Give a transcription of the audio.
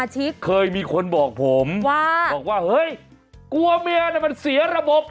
เฮ้ยกลัวเมียนะมันเสียระบบ